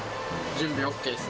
準備ＯＫです？